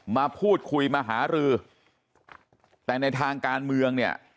มาพูดคุยมาหารือแต่ในทางการเมืองเนี่ย